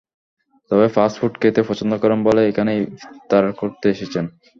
তবে fast food খেতে পছন্দ করেন বলেই এখানে ইফতার করতে এসেছেন।